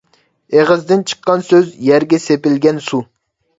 ئېغىزدىن چىققان سۆز – يەرگە سېپىلگەن سۇ.